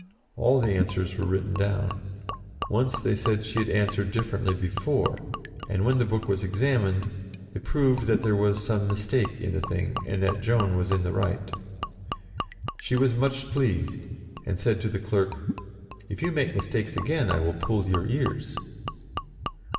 All the answers were written down. Once they said she had answered differently before, and, when the book was examined, it proved that there was some mistake in the thing, and that Joan was in the right. She was much pleased, and said to the clerk, " If you make mistakes again, I will pull your ears."